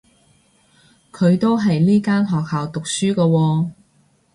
佢都喺呢間學校讀書㗎喎